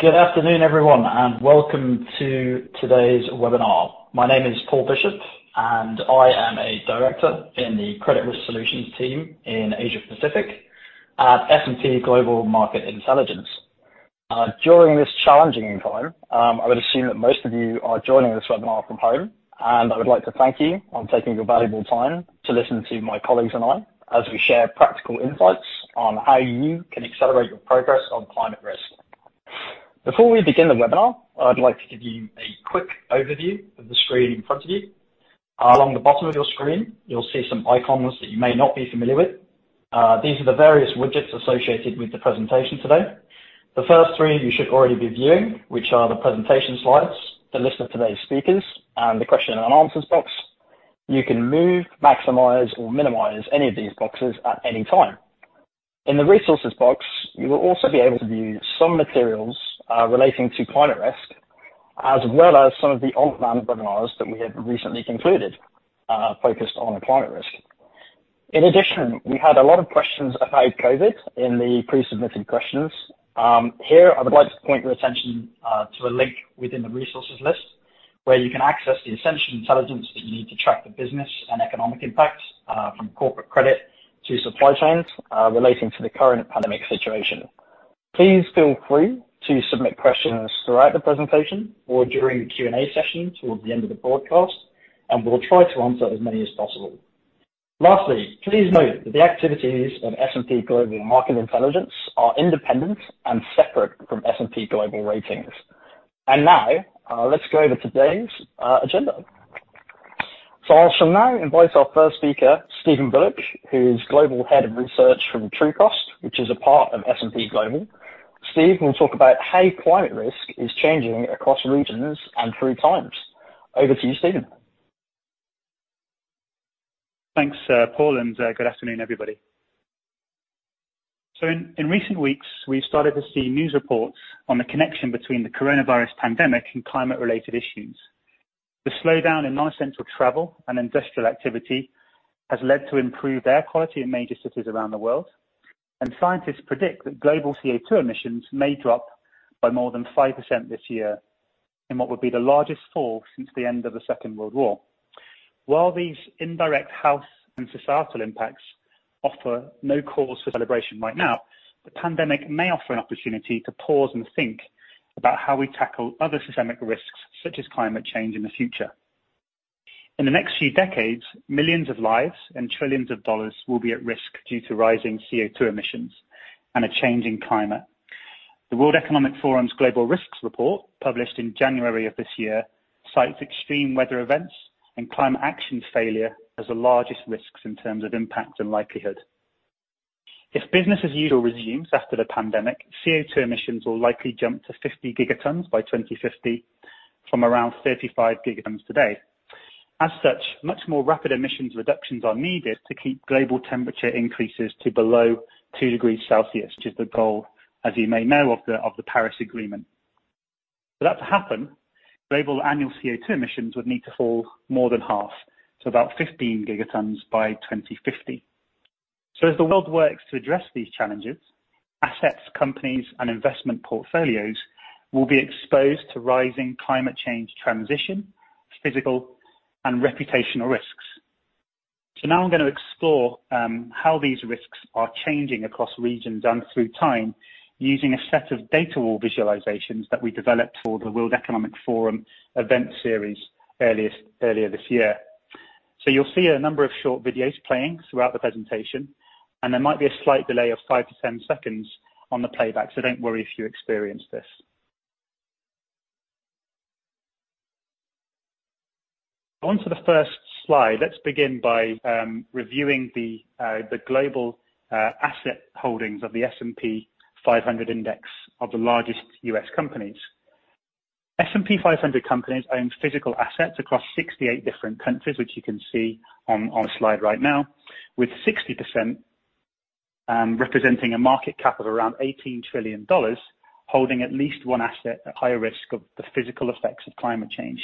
Good afternoon, everyone, and welcome to today's webinar. My name is Paul Bishop, and I am a Director in the Credit Risk Solutions team in Asia Pacific at S&P Global Market Intelligence. During this challenging time, I would assume that most of you are joining this webinar from home, and I would like to thank you for taking your valuable time to listen to my colleagues and me as we share practical insights on how you can accelerate your progress on climate risk. Before we begin the webinar, I'd like to give you a quick overview of the screen in front of you. Along the bottom of your screen, you'll see some icons that you may not be familiar with. These are the various widgets associated with the presentation today. The first three you should already be viewing, which are the presentation slides, the list of today's speakers, and the question and answers box. You can move, maximize, or minimize any of these boxes at any time. In the resources box, you will also be able to view some materials relating to climate risk, as well as some of the on-demand webinars that we have recently concluded focused on climate risk. In addition, we had a lot of questions about COVID in the pre-submitted questions. Here, I would like to point your attention to a link within the resources list, where you can access the essential intelligence that you need to track the business and economic impacts, from corporate credit to supply chains relating to the current pandemic situation. Please feel free to submit questions throughout the presentation or during the Q&A session towards the end of the broadcast, and we'll try to answer as many as possible. Please note that the activities of S&P Global Market Intelligence are independent and separate from S&P Global Ratings. Now, let's go over today's agenda. I shall now invite our first speaker, Steven Bullock, who's Global Head of Research from Trucost, which is a part of S&P Global. Steve will talk about how climate risk is changing across regions and through times. Over to you, Steven. Thanks, Paul. Good afternoon, everybody. In recent weeks, we've started to see news reports on the connection between the coronavirus pandemic and climate-related issues. The slowdown in non-essential travel and industrial activity has led to improved air quality in major cities around the world, and scientists predict that global CO2 emissions may drop by more than 5% this year in what would be the largest fall since the end of the Second World War. While these indirect health and societal impacts offer no cause for celebration right now, the pandemic may offer an opportunity to pause and think about how we tackle other systemic risks, such as climate change in the future. In the next few decades, millions of lives and trillions of dollars will be at risk due to rising CO2 emissions and a changing climate. The World Economic Forum's Global Risks Report, published in January of this year, cites extreme weather events and climate action failure as the largest risks in terms of impact and likelihood. If business as usual resumes after the pandemic, CO2 emissions will likely jump to 50 gigatons by 2050 from around 35 gigatons today. As such, much more rapid emissions reductions are needed to keep global temperature increases to below two degrees Celsius, which is the goal, as you may know, of the Paris Agreement. For that to happen, global annual CO2 emissions would need to fall more than half to about 15 gigatons by 2050. As the world works to address these challenges, assets, companies, and investment portfolios will be exposed to rising climate change transition, physical, and reputational risks. Now I'm going to explore how these risks are changing across regions and through time using a set of data wall visualizations that we developed for the World Economic Forum event series earlier this year. You'll see a number of short videos playing throughout the presentation, and there might be a slight delay of five to 10 seconds on the playback. Don't worry if you experience this. On to the first slide. Let's begin by reviewing the global asset holdings of the S&P 500 index of the largest U.S. companies. S&P 500 companies own physical assets across 68 different countries, which you can see on the slide right now, with 60% representing a market cap of around $18 trillion, holding at least one asset at higher risk of the physical effects of climate change.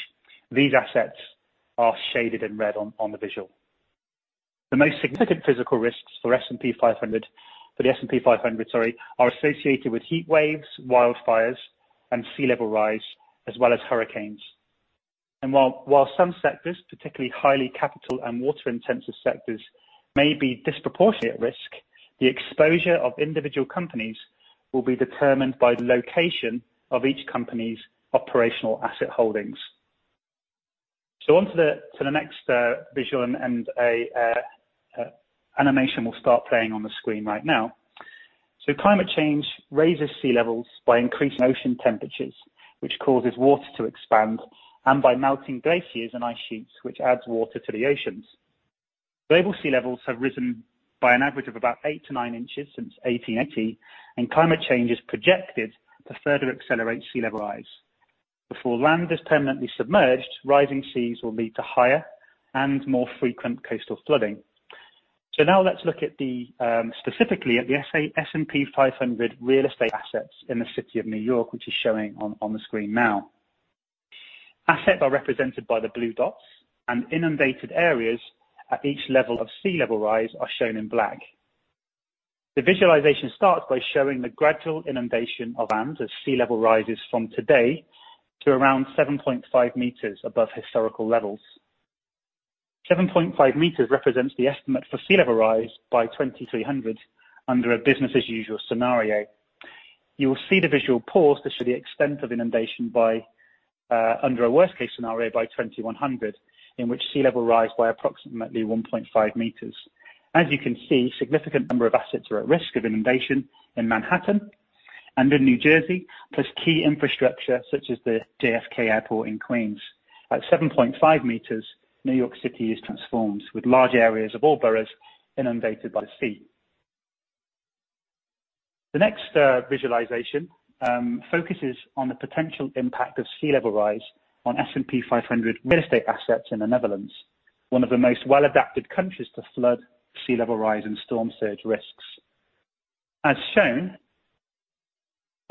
These assets are shaded in red on the visual. The most significant physical risks for the S&P 500 are associated with heat waves, wildfires, and sea level rise, as well as hurricanes. While some sectors, particularly highly capital and water-intensive sectors, may be disproportionate risk, the exposure of individual companies will be determined by the location of each company's operational asset holdings. On to the next visual and animation will start playing on the screen right now. Climate change raises sea levels by increasing ocean temperatures, which causes water to expand, and by melting glaciers and ice sheets, which adds water to the oceans. Global sea levels have risen by an average of about 8-9 in since 1880, and climate change is projected to further accelerate sea level rise. Before land is permanently submerged, rising seas will lead to higher and more frequent coastal flooding. Now let's look specifically at the S&P 500 real estate assets in the city of New York, which is showing on the screen now. Assets are represented by the blue dots, and inundated areas at each level of sea level rise are shown in black. The visualization starts by showing the gradual inundation of lands as sea level rises from today to around 7.5 m above historical levels. 7.5 m represents the estimate for sea level rise by 2300 under a business-as-usual scenario. You will see the visual pause to show the extent of inundation under a worst-case scenario by 2100, in which sea level rise by approximately 1.5 m. As you can see, significant number of assets are at risk of inundation in Manhattan and in New Jersey, plus key infrastructure such as the JFK Airport in Queens. At seven point five meters, New York City is transformed, with large areas of all boroughs inundated by the sea. The next visualization focuses on the potential impact of sea level rise on S&P 500 real estate assets in the Netherlands, one of the most well-adapted countries to flood, sea level rise, and storm surge risks. As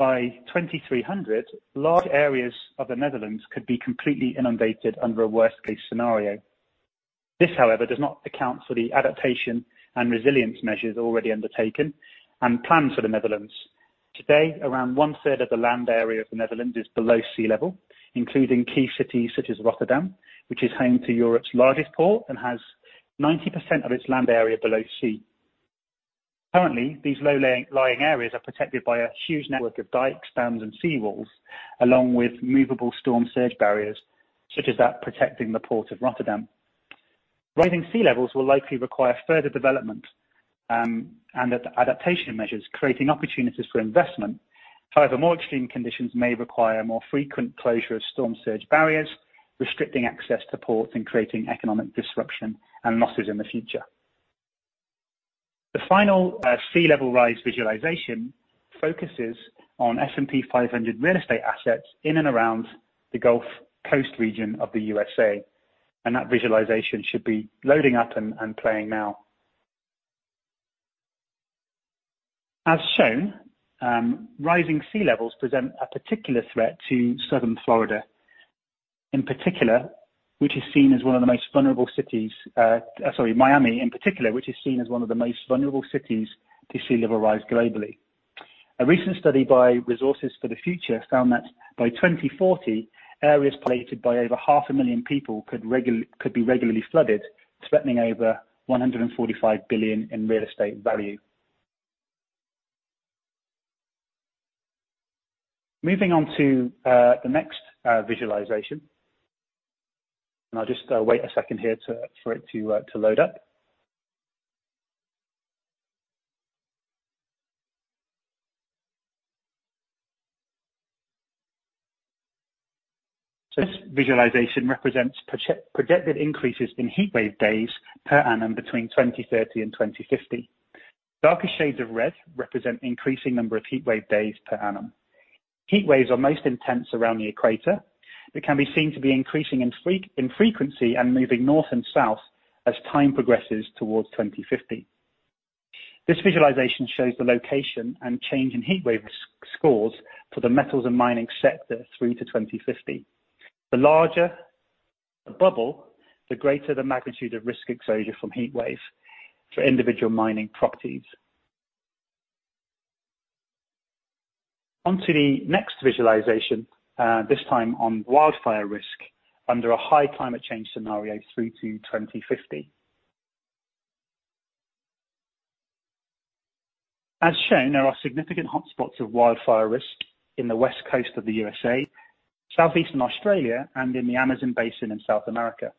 shown, by 2300, large areas of the Netherlands could be completely inundated under a worst-case scenario. This, however, does not account for the adaptation and resilience measures already undertaken and planned for the Netherlands. Today, around one-third of the land area of the Netherlands is below sea level, including key cities such as Rotterdam, which is home to Europe's largest port and has 90% of its land area below sea. Currently, these low-lying areas are protected by a huge network of dikes, dams, and seawalls, along with movable storm surge barriers, such as that protecting the Port of Rotterdam. Rising sea levels will likely require further development and adaptation measures, creating opportunities for investment. However, more extreme conditions may require more frequent closure of storm surge barriers, restricting access to ports and creating economic disruption and losses in the future. The final sea level rise visualization focuses on S&P 500 real estate assets in and around the Gulf Coast region of the U.S.A. That visualization should be loading up and playing now. As shown, rising sea levels present a particular threat to Southern Florida. Miami in particular, which is seen as one of the most vulnerable cities to sea level rise globally. A recent study by Resources for the Future found that by 2040, areas populated by over half a million people could be regularly flooded, threatening over $145 billion in real estate value. Moving on to the next visualization. I'll just wait a second here for it to load up. This visualization represents projected increases in heat wave days per annum between 2030 and 2050. Darker shades of red represent increasing number of heat wave days per annum. Heat waves are most intense around the equator, but can be seen to be increasing in frequency and moving north and south as time progresses towards 2050. This visualization shows the location and change in heat wave risk scores for the metals and mining sector through to 2050. The larger the bubble, the greater the magnitude of risk exposure from heat waves for individual mining properties. Onto the next visualization, this time on wildfire risk under a high climate change scenario through to 2050. As shown, there are significant hotspots of wildfire risk in the West Coast of the U.S.A., southeastern Australia, and in the Amazon Basin in South America.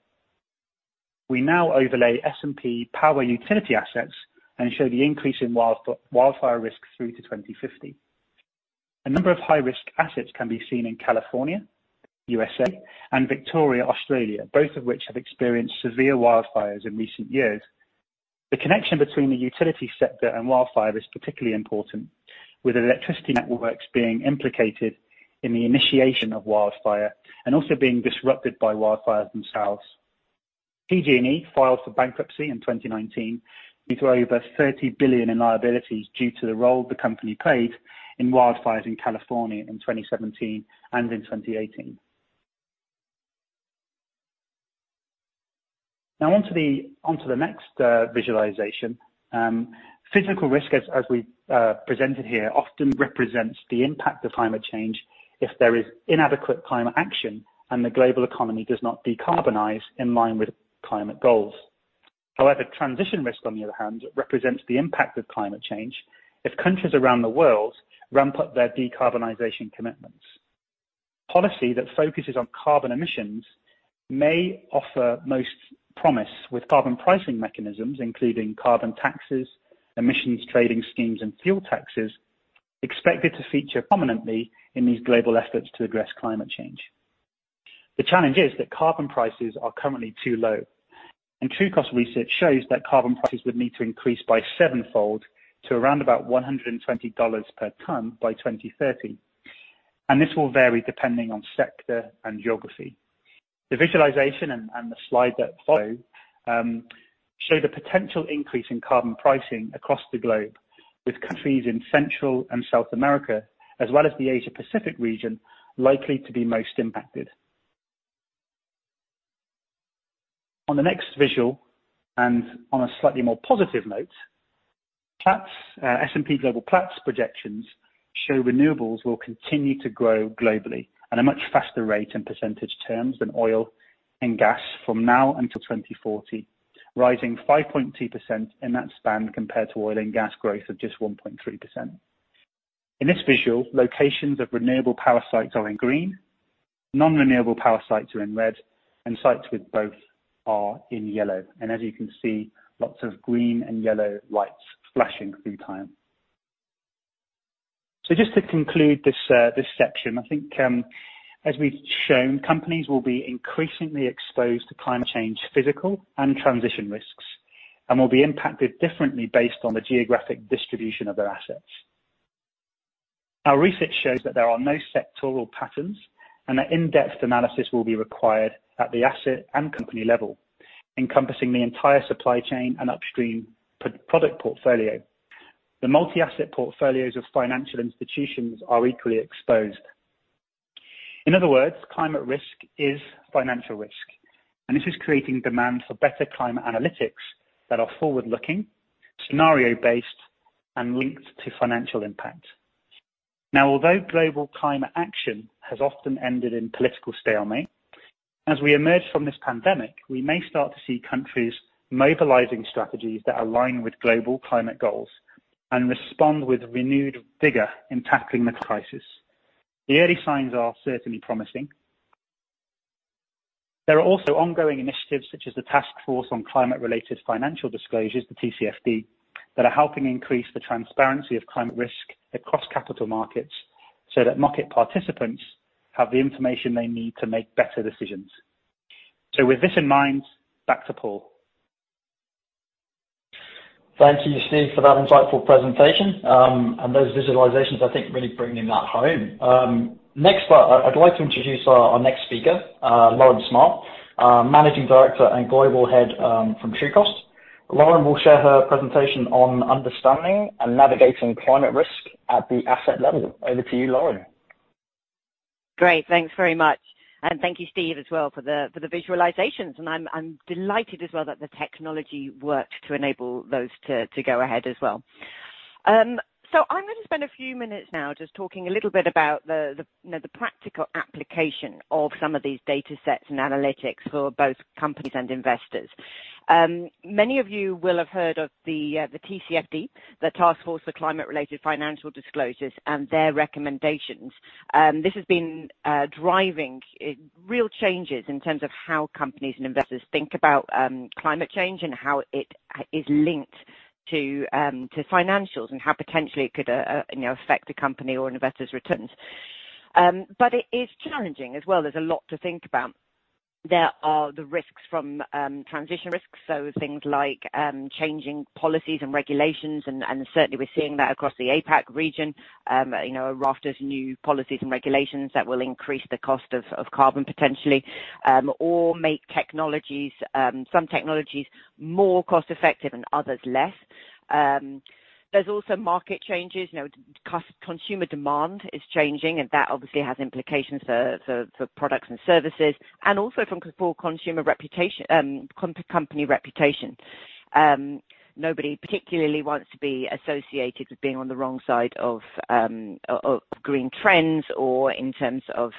We now overlay S&P power utility assets and show the increase in wildfire risk through to 2050. A number of high-risk assets can be seen in California, U.S.A., and Victoria, Australia, both of which have experienced severe wildfires in recent years. The connection between the utility sector and wildfire is particularly important, with electricity networks being implicated in the initiation of wildfire and also being disrupted by wildfires themselves. PG&E filed for bankruptcy in 2019 due to over $30 billion in liabilities due to the role the company played in wildfires in California in 2017 and in 2018. Now onto the next visualization. Physical risk, as we presented here, often represents the impact of climate change if there is inadequate climate action and the global economy does not decarbonize in line with climate goals. Transition risk, on the other hand, represents the impact of climate change if countries around the world ramp up their decarbonization commitments. Policy that focuses on carbon emissions may offer most promise with carbon pricing mechanisms, including carbon taxes, emissions trading schemes, and fuel taxes, expected to feature prominently in these global efforts to address climate change. The challenge is that carbon prices are currently too low, and Trucost research shows that carbon prices would need to increase by sevenfold to around about $120 per ton by 2030. This will vary depending on sector and geography. The visualization and the slide that follow show the potential increase in carbon pricing across the globe, with countries in Central and South America, as well as the Asia Pacific region, likely to be most impacted. On the next visual, and on a slightly more positive note, S&P Global Platts projections show renewables will continue to grow globally at a much faster rate in percentage terms than oil and gas from now until 2040, rising 5.2% in that span, compared to oil and gas growth of just 1.3%. In this visual, locations of renewable power sites are in green, non-renewable power sites are in red, and sites with both are in yellow. As you can see, lots of green and yellow lights flashing through time. Just to conclude this section, I think as we've shown, companies will be increasingly exposed to climate change physical and transition risks and will be impacted differently based on the geographic distribution of their assets. Our research shows that there are no sectoral patterns and that in-depth analysis will be required at the asset and company level, encompassing the entire supply chain and upstream product portfolio. The multi-asset portfolios of financial institutions are equally exposed. In other words, climate risk is financial risk, and this is creating demand for better climate analytics that are forward-looking, scenario-based, and linked to financial impact. Although global climate action has often ended in political stalemate, as we emerge from this pandemic, we may start to see countries mobilizing strategies that align with global climate goals and respond with renewed vigor in tackling the crisis. The early signs are certainly promising. There are also ongoing initiatives, such as the Task Force on Climate-related Financial Disclosures, the TCFD, that are helping increase the transparency of climate risk across capital markets so that market participants have the information they need to make better decisions. With this in mind, back to Paul. Thank you, Steve, for that insightful presentation. Those visualizations, I think, really bring that home. Next up, I'd like to introduce our next speaker, Lauren Smart, Managing Director and Global Head from Trucost. Lauren will share her presentation on understanding and navigating climate risk at the asset level. Over to you, Lauren. Great. Thanks very much. Thank you, Steve, as well for the visualizations. I'm delighted as well that the technology worked to enable those to go ahead as well. I'm going to spend a few minutes now just talking a little bit about the practical application of some of these data sets and analytics for both companies and investors. Many of you will have heard of the TCFD, the Task Force on Climate-related Financial Disclosures, and their recommendations. This has been driving real changes in terms of how companies and investors think about climate change and how it is linked to financials and how potentially it could affect a company or an investor's returns. It is challenging as well. There's a lot to think about. There are the risks from transition risks, so things like changing policies and regulations, and certainly we're seeing that across the APAC region. A raft of new policies and regulations that will increase the cost of carbon potentially, or make some technologies more cost-effective and others less. There's also market changes. Consumer demand is changing, and that obviously has implications for products and services, and also for company reputation. Nobody particularly wants to be associated with being on the wrong side of green trends or in terms of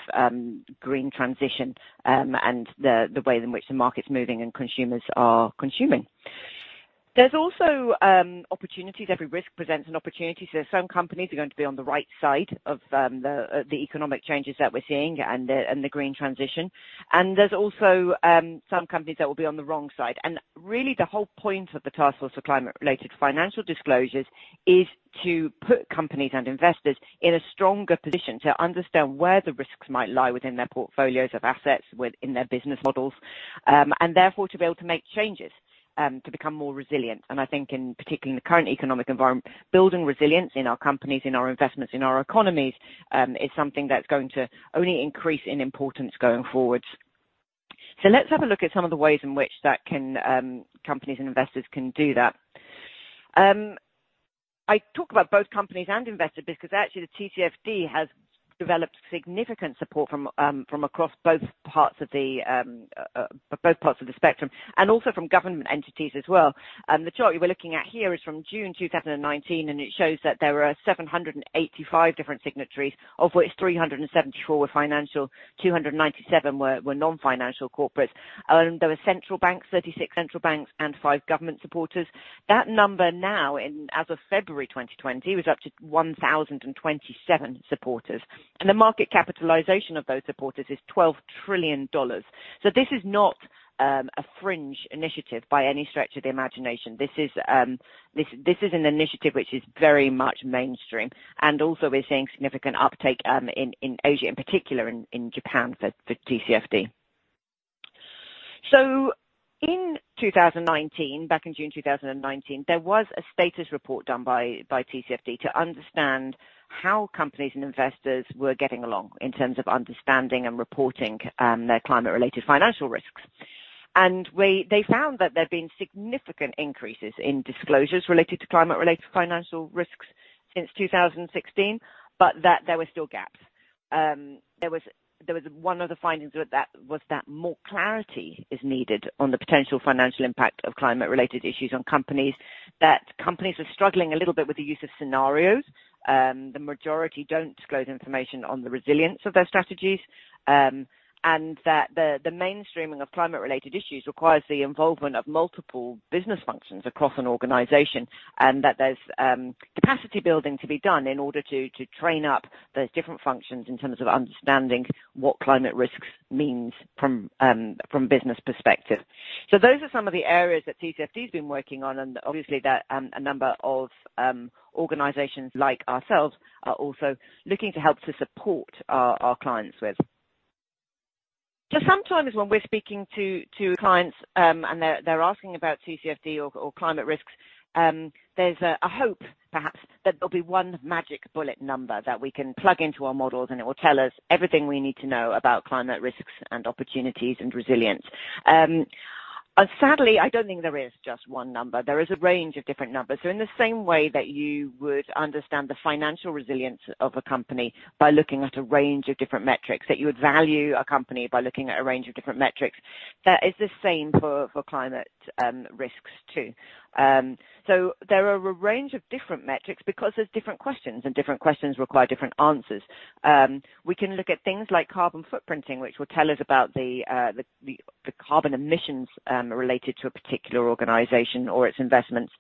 green transition and the way in which the market's moving and consumers are consuming. There's also opportunities. Every risk presents an opportunity. Some companies are going to be on the right side of the economic changes that we're seeing and the green transition. There's also some companies that will be on the wrong side. Really the whole point of the Task Force on Climate-related Financial Disclosures is to put companies and investors in a stronger position to understand where the risks might lie within their portfolios of assets, within their business models, and therefore, to be able to make changes to become more resilient. I think in particular, in the current economic environment, building resilience in our companies, in our investments, in our economies, is something that's going to only increase in importance going forward. Let's have a look at some of the ways in which companies and investors can do that. I talk about both companies and investors because actually, the TCFD has developed significant support from across both parts of the spectrum and also from government entities as well. The chart you're looking at here is from June 2019. It shows that there were 785 different signatories, of which 374 were financial, 297 were non-financial corporates. There were central banks, 36 central banks, and five government supporters. That number now as of February 2020, was up to 1,027 supporters. The market capitalization of those supporters is $12 trillion. This is not a fringe initiative by any stretch of the imagination. This is an initiative which is very much mainstream. Also we're seeing significant uptake in Asia, in particular in Japan, for TCFD. In 2019, back in June 2019, there was a status report done by TCFD to understand how companies and investors were getting along in terms of understanding and reporting their climate-related financial risks. They found that there have been significant increases in disclosures related to climate-related financial risks since 2016, but that there were still gaps. One of the findings was that more clarity is needed on the potential financial impact of climate-related issues on companies, that companies are struggling a little bit with the use of scenarios. The majority don't disclose information on the resilience of their strategies, and that the mainstreaming of climate-related issues requires the involvement of multiple business functions across an organization, and that there's capacity building to be done in order to train up those different functions in terms of understanding what climate risks means from business perspective. Those are some of the areas that TCFD has been working on, and obviously a number of organizations like ourselves are also looking to help to support our clients with. Sometimes when we're speaking to clients, and they're asking about TCFD or climate risks, there's a hope perhaps that there'll be one magic bullet number that we can plug into our models, and it will tell us everything we need to know about climate risks and opportunities and resilience. Sadly, I don't think there is just one number. There is a range of different numbers. In the same way that you would understand the financial resilience of a company by looking at a range of different metrics, that you would value a company by looking at a range of different metrics, that is the same for climate risks too. There are a range of different metrics because there's different questions, and different questions require different answers. We can look at things like carbon footprinting, which will tell us about the carbon emissions related to a particular organization or its investments.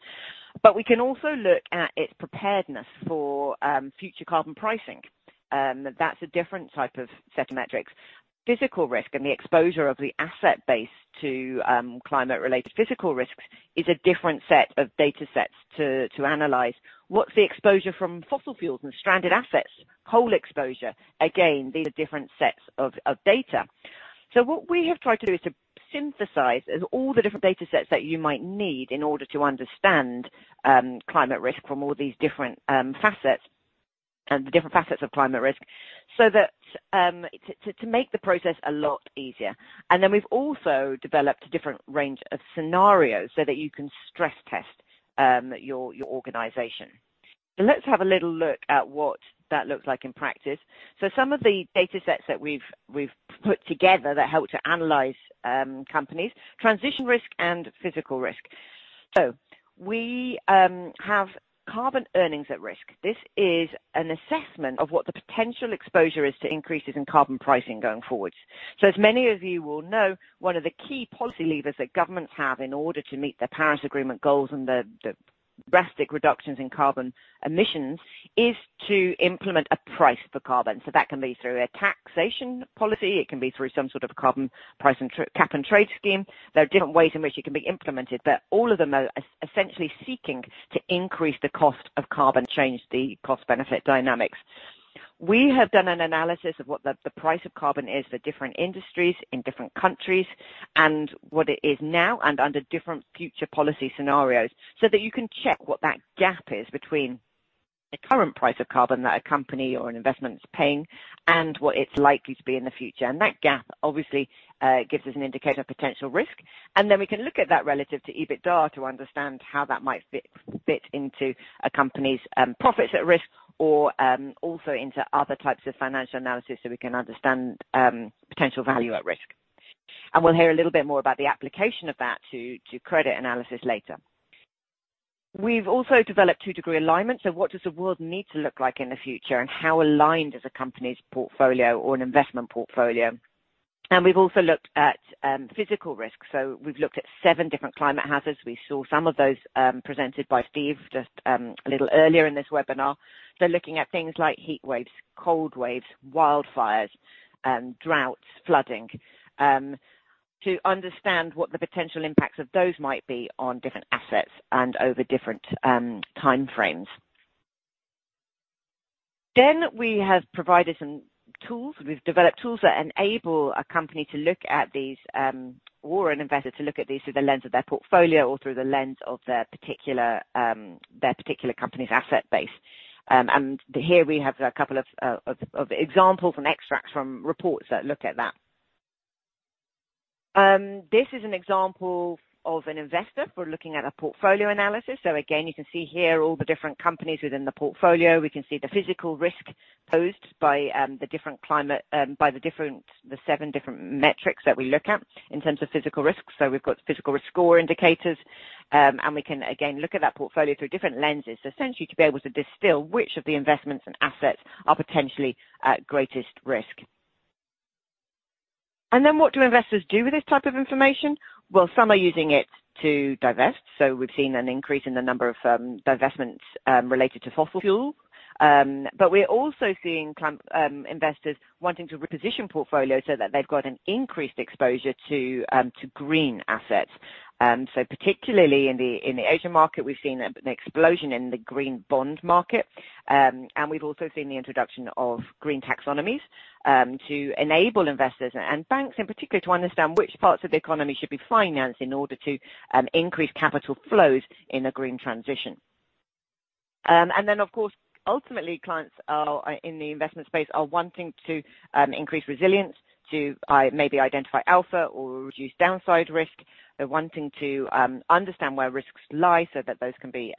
We can also look at its preparedness for future carbon pricing. That's a different type of set of metrics. Physical risk and the exposure of the asset base to climate-related physical risks is a different set of data sets to analyze. What's the exposure from fossil fuels and stranded assets? Whole exposure. Again, these are different sets of data. What we have tried to do is to synthesize all the different data sets that you might need in order to understand climate risk from all these different facets and the different facets of climate risk, so that to make the process a lot easier. Then we've also developed a different range of scenarios so that you can stress test your organization. Let's have a little look at what that looks like in practice. Some of the data sets that we've put together that help to analyze companies' transition risk and physical risk. We have carbon earnings at risk. This is an assessment of what the potential exposure is to increases in carbon pricing going forwards. As many of you will know, one of the key policy levers that governments have in order to meet their Paris Agreement goals and the drastic reductions in carbon emissions, is to implement a price for carbon. That can be through a taxation policy, it can be through some sort of a carbon price and cap and trade scheme. There are different ways in which it can be implemented, but all of them are essentially seeking to increase the cost of carbon, change the cost-benefit dynamics. We have done an analysis of what the price of carbon is for different industries in different countries and what it is now and under different future policy scenarios, so that you can check what that gap is between the current price of carbon that a company or an investment is paying and what it's likely to be in the future. That gap obviously gives us an indicator of potential risk. Then we can look at that relative to EBITDA to understand how that might fit into a company's profits at risk or also into other types of financial analysis so we can understand potential value at risk. We'll hear a little bit more about the application of that to credit analysis later. We've also developed two-degree alignment, what does the world need to look like in the future, and how aligned is a company's portfolio or an investment portfolio? We've also looked at physical risk. We've looked at seven different climate hazards. We saw some of those presented by Steve just a little earlier in this webinar. Looking at things like heat waves, cold waves, wildfires, droughts, flooding, to understand what the potential impacts of those might be on different assets and over different time frames. We have provided some tools. We've developed tools that enable a company or an investor to look at these through the lens of their portfolio or through the lens of their particular company's asset base. Here we have a couple of examples and extracts from reports that look at that. This is an example of an investor for looking at a portfolio analysis. Again, you can see here all the different companies within the portfolio. We can see the physical risk posed by the seven different metrics that we look at in terms of physical risks. We've got physical risk score indicators, and we can again look at that portfolio through different lenses, essentially to be able to distill which of the investments and assets are potentially at greatest risk. What do investors do with this type of information? Well, some are using it to divest. We've seen an increase in the number of divestments related to fossil fuel. We're also seeing investors wanting to reposition portfolios so that they've got an increased exposure to green assets. Particularly in the Asian market, we've seen an explosion in the green bond market. We've also seen the introduction of green taxonomies, to enable investors and banks in particular, to understand which parts of the economy should be financed in order to increase capital flows in a green transition. Then of course, ultimately, clients in the investment space are wanting to increase resilience to maybe identify alpha or reduce downside risk. They're wanting to understand where risks lie so that those can be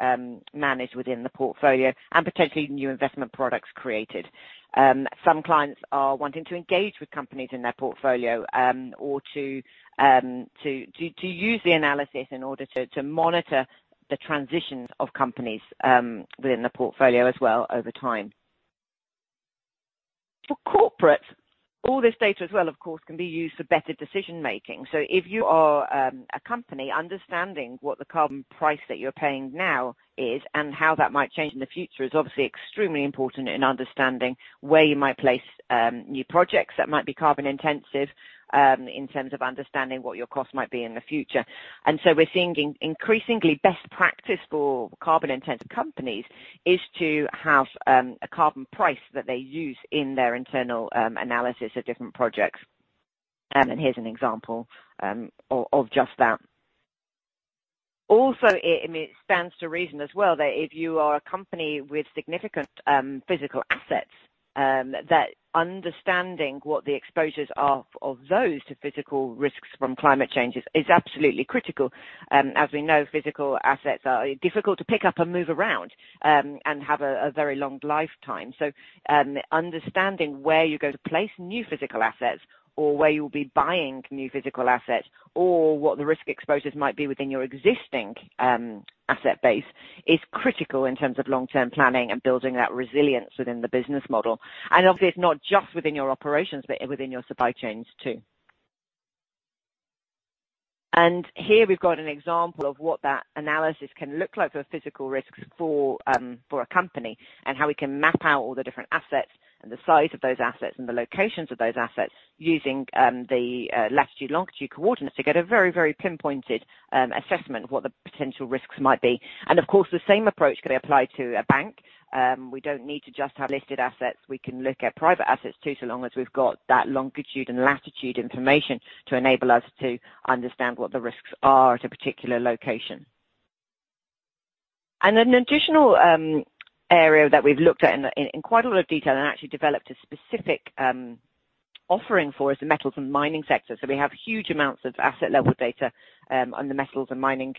managed within the portfolio, and potentially new investment products created. Some clients are wanting to engage with companies in their portfolio, or to use the analysis in order to monitor the transitions of companies within the portfolio as well over time. For corporate, all this data as well, of course, can be used for better decision-making. If you are a company understanding what the carbon price that you're paying now is and how that might change in the future is obviously extremely important in understanding where you might place new projects that might be carbon intensive, in terms of understanding what your cost might be in the future. We're seeing increasingly best practice for carbon-intensive companies is to have a carbon price that they use in their internal analysis of different projects. Here's an example of just that. It stands to reason as well that if you are a company with significant physical assets, that understanding what the exposures are of those to physical risks from climate changes is absolutely critical. As we know, physical assets are difficult to pick up and move around, and have a very long lifetime. Understanding where you're going to place new physical assets or where you'll be buying new physical assets or what the risk exposures might be within your existing asset base is critical in terms of long-term planning and building that resilience within the business model. Obviously it's not just within your operations, but within your supply chains too. Here we've got an example of what that analysis can look like for physical risks for a company, and how we can map out all the different assets and the size of those assets and the locations of those assets using the latitude, longitude coordinates to get a very, very pinpointed assessment of what the potential risks might be. Of course, the same approach could apply to a bank. We don't need to just have listed assets. We can look at private assets too, so long as we've got that longitude and latitude information to enable us to understand what the risks are at a particular location. An additional area that we've looked at in quite a lot of detail and actually developed a specific offering for is the metals and mining sector. We have huge amounts of asset-level data on the metals and mining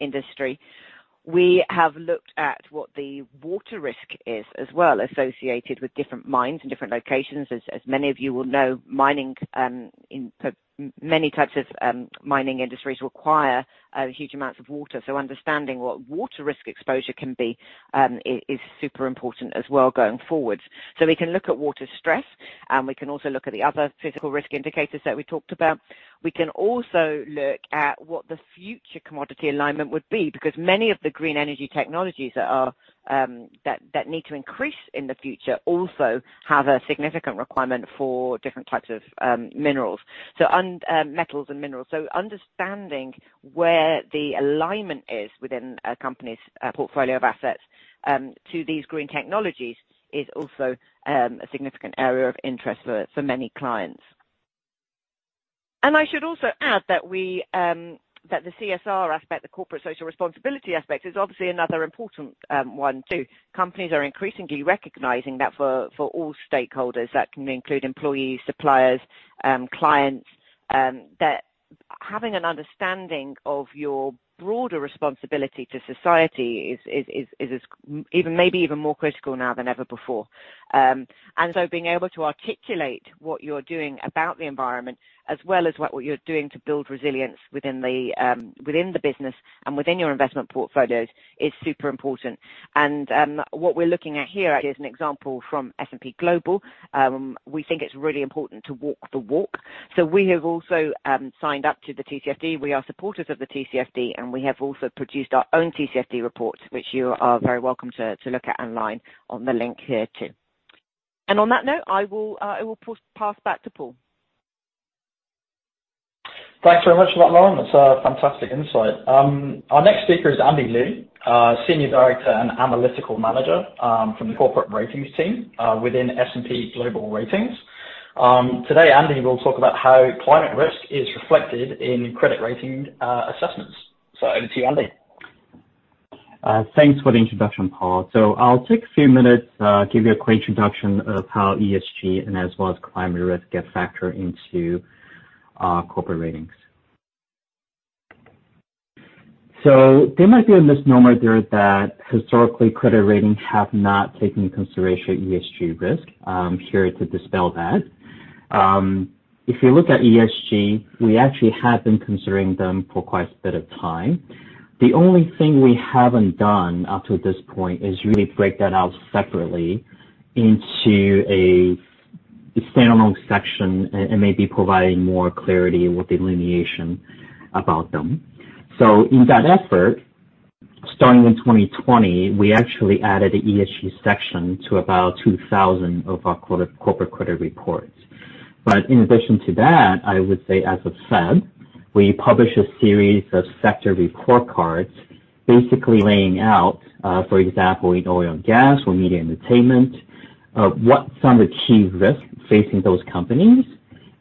industry. We have looked at what the water risk is as well associated with different mines and different locations. As many of you will know, many types of mining industries require huge amounts of water, so understanding what water risk exposure can be is super important as well going forward. We can look at water stress, and we can also look at the other physical risk indicators that we talked about. We can also look at what the future commodity alignment would be, because many of the green energy technologies that need to increase in the future also have a significant requirement for different types of metals and minerals. Understanding where the alignment is within a company's portfolio of assets to these green technologies is also a significant area of interest for many clients. I should also add that the CSR aspect, the corporate social responsibility aspect, is obviously another important one too. Companies are increasingly recognizing that for all stakeholders, that can include employees, suppliers, clients, that having an understanding of your broader responsibility to society is maybe even more critical now than ever before. Being able to articulate what you're doing about the environment as well as what you're doing to build resilience within the business and within your investment portfolios is super important. What we're looking at here is an example from S&P Global. We think it's really important to walk the walk, so we have also signed up to the TCFD. We are supporters of the TCFD, and we have also produced our own TCFD reports, which you are very welcome to look at online on the link here too. On that note, I will pass back to Paul. Thanks very much for that, Lauren. That's a fantastic insight. Our next speaker is Andy Liu, Senior Director and Analytical Manager from the Corporate Ratings team within S&P Global Ratings. Today, Andy will talk about how climate risk is reflected in credit rating assessments. Over to you, Andy. Thanks for the introduction, Paul. I'll take a few minutes, give you a quick introduction of how ESG and as well as climate risk get factored into corporate ratings. There might be a misnomer there that historically credit ratings have not taken into consideration ESG risk. I'm here to dispel that. If you look at ESG, we actually have been considering them for quite a bit of time. The only thing we haven't done up to this point is really break that out separately into a standalone section and maybe providing more clarity with delineation about them. In that effort starting in 2020, we actually added a ESG section to about 2,000 of our corporate credit reports. In addition to that, I would say as of February, we publish a series of sector report cards, basically laying out, for example, in oil and gas or media and entertainment, what some of the key risks facing those companies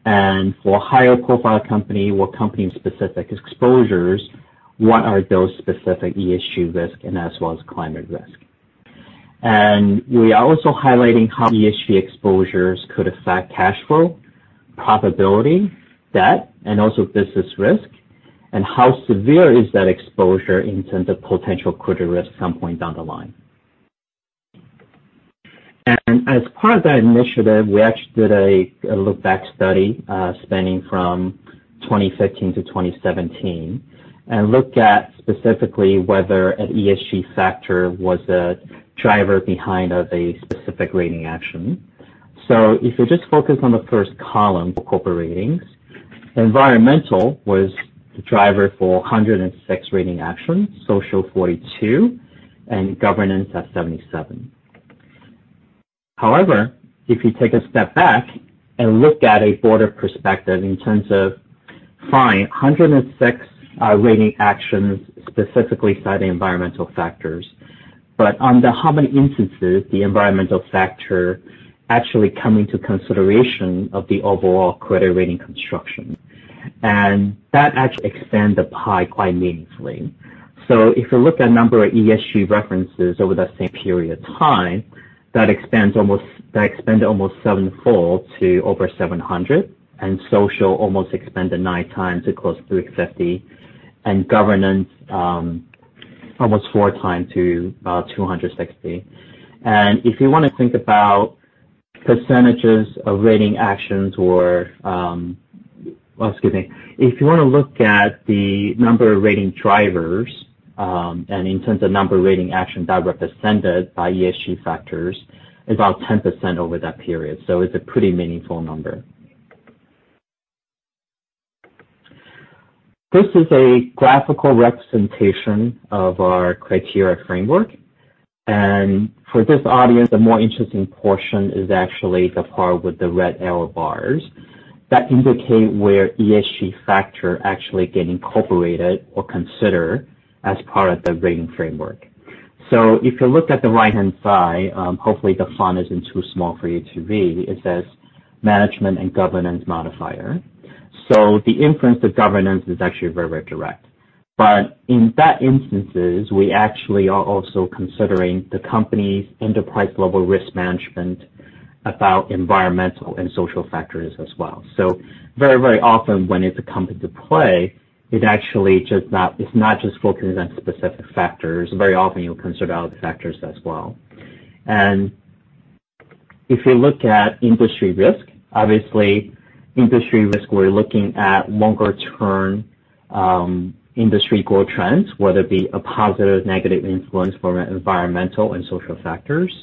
and for higher profile company or company specific exposures, what are those specific ESG risk and as well as climate risk. We are also highlighting how ESG exposures could affect cash flow, profitability, debt and also business risk, and how severe is that exposure in terms of potential credit risk some point down the line. As part of that initiative, we actually did a look-back study, spanning from 2015-2017, and looked at specifically whether an ESG factor was a driver behind a specific rating action. If you just focus on the first column for Corporate Ratings, environmental was the driver for 106 rating actions, social 42, and governance at 77. If you take a step back and look at a broader perspective in terms of, fine, 106 rating actions specifically cite the environmental factors, but under how many instances the environmental factor actually come into consideration of the overall credit rating construction? That actually expand the pie quite meaningfully. If you look at number of ESG references over that same period of time, that expand almost sevenfold to over 700, social almost expand nine times to close to 350, and governance, almost four times to about 260. If you want to think about percentages of rating actions or Excuse me. If you want to look at the number of rating drivers, and in terms of number of rating action that represented by ESG factors, about 10% over that period. It's a pretty meaningful number. This is a graphical representation of our criteria framework. For this audience, the more interesting portion is actually the part with the red arrow bars that indicate where ESG factor actually get incorporated or considered as part of the rating framework. If you look at the right-hand side, hopefully the font isn't too small for you to read, it says management and governance modifier. The influence of governance is actually very, very direct. But in that instances, we actually are also considering the company's enterprise level risk management about environmental and social factors as well. Very, very often when it come into play, it's not just focusing on specific factors. Very often you'll consider other factors as well. If you look at industry risk, obviously we're looking at longer-term industry growth trends, whether it be a positive, negative influence from an environmental and social factors.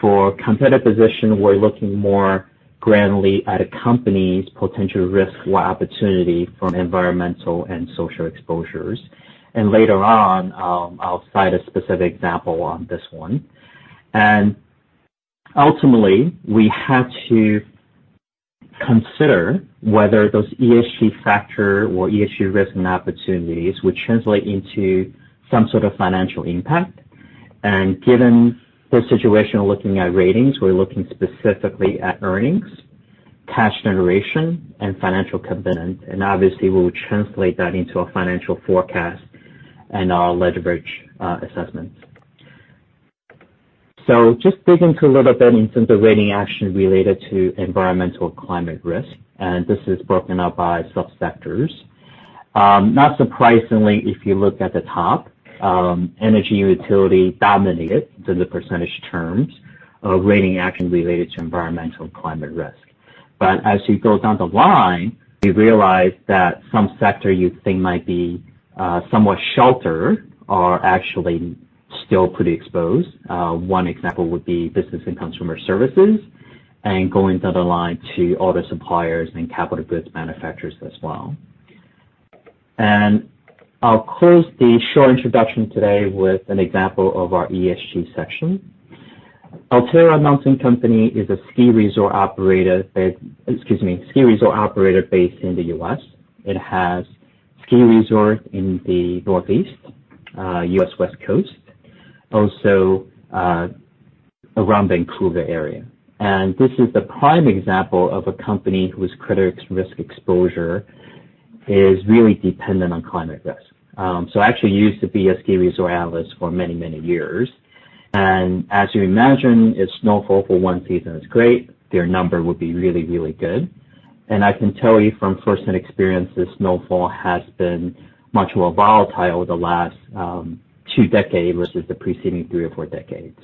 For competitive position, we're looking more granularly at a company's potential risk or opportunity from environmental and social exposures. Later on, I'll cite a specific example on this one. Ultimately, we have to consider whether those ESG risk and opportunities would translate into some sort of financial impact. Given the situation we're looking at ratings, we're looking specifically at earnings, cash generation and financial commitment. Obviously we will translate that into a financial forecast and our leverage assessments. Just dig into a little bit in terms of rating action related to environmental climate risk. This is broken up by sub-sectors. Not surprisingly, if you look at the top, energy utility dominated in the percentage terms of rating action related to environmental climate risk. As you go down the line, you realize that some sector you think might be somewhat sheltered are actually still pretty exposed. One example would be business and consumer services, and going down the line to auto suppliers and capital goods manufacturers as well. I'll close the short introduction today with an example of our ESG section. Alterra Mountain Company is a ski resort operator based in the U.S. It has ski resort in the Northeast, U.S. West Coast, also, around Vancouver area. This is the prime example of a company whose credit risk exposure is really dependent on climate risk. I actually used to be a ski resort analyst for many, many years. As you imagine, if snowfall for one season is great, their number would be really, really good. I can tell you from firsthand experience, the snowfall has been much more volatile the last two decades versus the preceding three or four decades.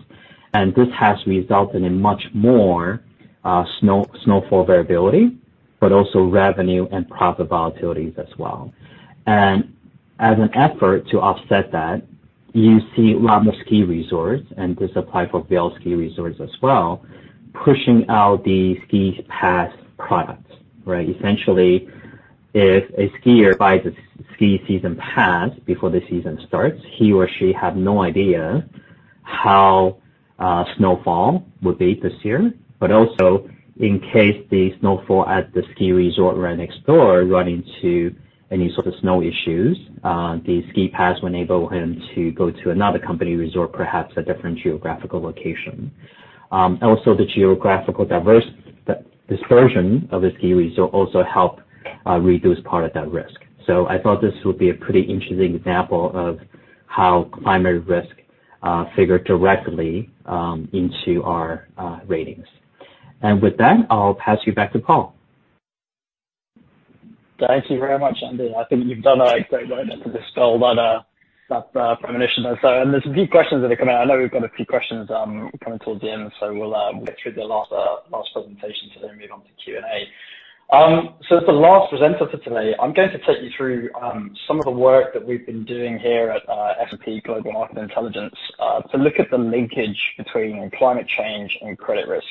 This has resulted in much more snowfall variability, but also revenue and profit volatilities as well. As an effort to offset that, you see a lot of ski resorts, and this apply for Vail Resorts as well, pushing out the ski pass products, right? If a skier buys a ski season pass before the season starts, he or she have no idea how snowfall would be this year, but also in case the snowfall at the ski resort right next door run into any sort of snow issues, the ski pass will enable him to go to another company resort, perhaps a different geographical location. Also, the geographical dispersion of the ski resort also help reduce part of that risk. I thought this would be a pretty interesting example of how climate risk figure directly into our ratings. With that, I'll pass you back to Paul. Thank you very much, Andy. I think you've done a great work to dispel that premonition. There's a few questions that have come out. I know we've got a few questions coming towards the end, so we'll get through the last presentation today and move on to Q&A. As the last presenter for today, I'm going to take you through some of the work that we've been doing here at S&P Global Market Intelligence to look at the linkage between climate change and credit risk.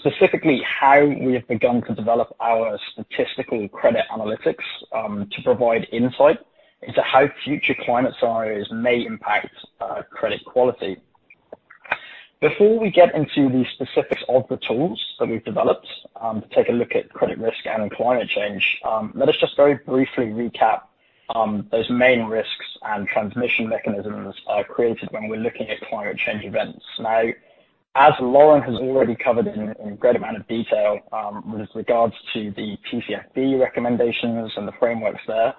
Specifically, how we have begun to develop our statistical credit analytics to provide insight into how future climate scenarios may impact credit quality. Before we get into the specifics of the tools that we've developed to take a look at credit risk and in climate change, let us just very briefly recap those main risks and transmission mechanisms are created when we're looking at climate change events. As Lauren has already covered in great amount of detail, with regards to the TCFD recommendations and the frameworks there,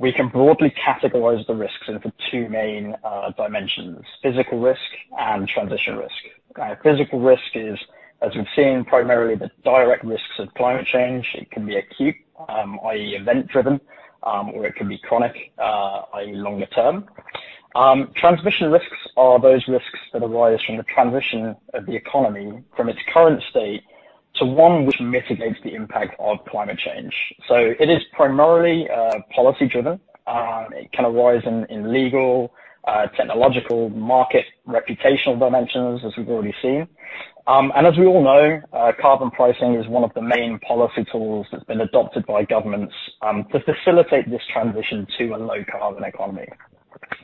we can broadly categorize the risks into two main dimensions: physical risk and transition risk. Physical risk is, as we've seen, primarily the direct risks of climate change. It can be acute, i.e., event-driven, or it can be chronic, i.e., longer term. Transition risks are those risks that arise from the transition of the economy from its current state to one which mitigates the impact of climate change. It is primarily policy-driven. It can arise in legal, technological, market, reputational dimensions, as we've already seen. As we all know, carbon pricing is one of the main policy tools that's been adopted by governments to facilitate this transition to a low carbon economy.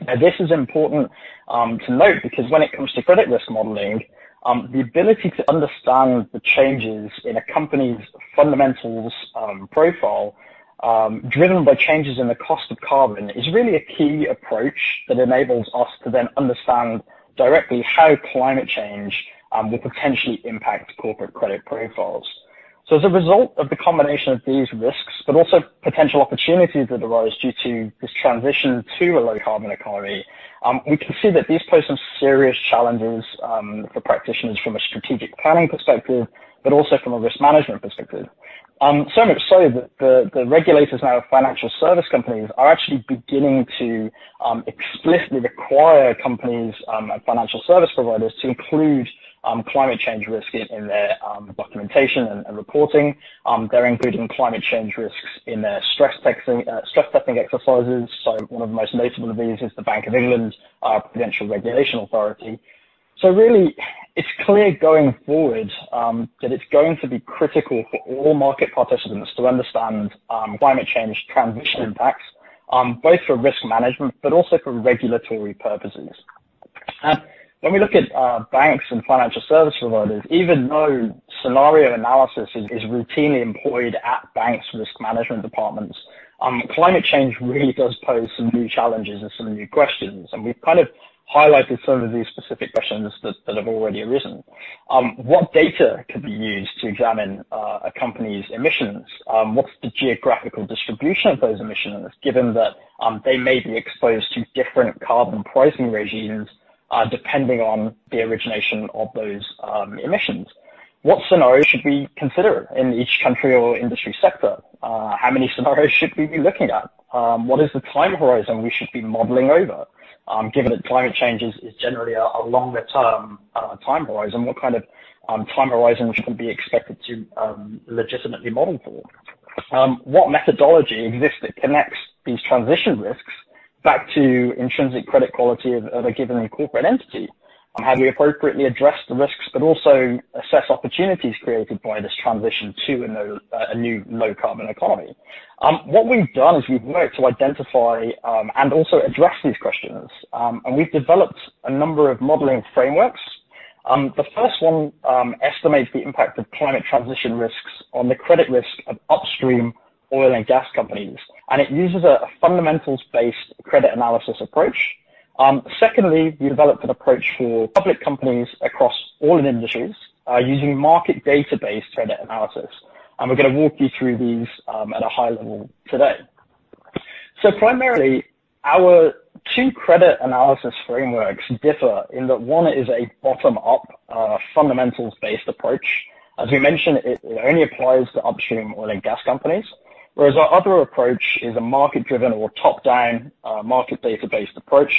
Now, this is important to note because when it comes to credit risk modeling, the ability to understand the changes in a company's fundamentals profile, driven by changes in the cost of carbon, is really a key approach that enables us to then understand directly how climate change will potentially impact corporate credit profiles. As a result of the combination of these risks, but also potential opportunities that arise due to this transition to a low carbon economy, we can see that these pose some serious challenges for practitioners from a strategic planning perspective, but also from a risk management perspective. Much so that the regulators and our financial service companies are actually beginning to explicitly require companies and financial service providers to include climate change risk in their documentation and reporting. They're including climate change risks in their stress testing exercises. One of the most notable of these is the Bank of England's Prudential Regulation Authority. Really, it's clear going forward that it's going to be critical for all market participants to understand climate change transition impacts, both for risk management but also for regulatory purposes. When we look at banks and financial service providers, even though scenario analysis is routinely employed at banks' risk management departments, climate change really does pose some new challenges and some new questions, and we've kind of highlighted some of these specific questions that have already arisen. What data could be used to examine a company's emissions? What's the geographical distribution of those emissions, given that they may be exposed to different carbon pricing regimes depending on the origination of those emissions? What scenarios should we consider in each country or industry sector? How many scenarios should we be looking at? What is the time horizon we should be modeling over? Given that climate change is generally a longer-term time horizon, what kind of time horizon should we be expected to legitimately model for? What methodology exists that connects these transition risks back to intrinsic credit quality of a given corporate entity? Have we appropriately addressed the risks but also assess opportunities created by this transition to a new low carbon economy? What we've done is we've worked to identify and also address these questions. We've developed a number of modeling frameworks. The first one estimates the impact of climate transition risks on the credit risk of upstream oil and gas companies, and it uses a fundamentals-based credit analysis approach. Secondly, we developed an approach for public companies across all industries using market database credit analysis. We're going to walk you through these at a high level today. Primarily, our two credit analysis frameworks differ in that one is a bottom-up, fundamentals-based approach. As we mentioned, it only applies to upstream oil and gas companies. Whereas our other approach is a market-driven or top-down market database approach.